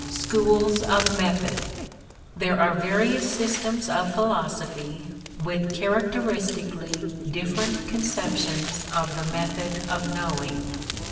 Schools of Method. There are various systems of philosophy with characteristically different conceptions of the method of knowing.